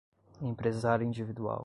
empresário individual